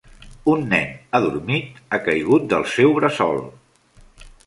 Un nen adormit ha caigut del seu bressol.